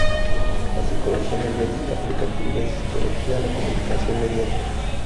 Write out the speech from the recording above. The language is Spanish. La psicología mediática aplica teorías de psicología a la comunicación mediática.